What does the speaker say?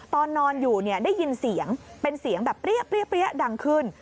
ตอนนอนอยู่ได้ยินเสียงเป็นเสียงแบบเปรี้ยดังขึ้น